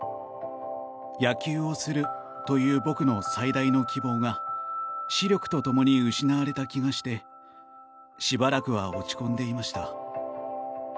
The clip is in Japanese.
野球をするという僕の最大の希望が視力とともに失われた気がしてしばらくは落ち込んでいました。